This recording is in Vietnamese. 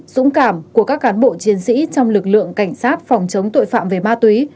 dũng cảm của các cán bộ chiến sĩ trong lực lượng cảnh sát phòng chống tội phạm về ma túy